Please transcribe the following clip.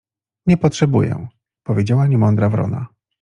— Nie potrzebuję — powiedziała niemądra wrona.